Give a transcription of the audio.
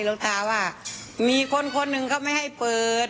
ลงตาว่ามีคนคนหนึ่งเขาไม่ให้เปิด